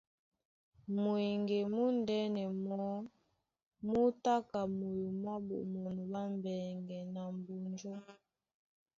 Mweŋge múndɛ̄nɛ mɔɔ́ mú tá ka moyo mwá Ɓomɔnɔ ɓá Mbɛŋgɛ na Mbonjó.